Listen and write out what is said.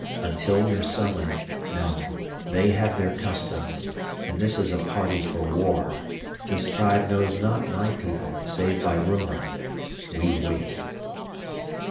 "Until we are summoned no. They have their customs. And this is a party for war. This tribe knows not my people, save by rumor. We wait."